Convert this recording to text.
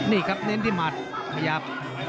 นี่ครับเน้นที่หมัดขยับ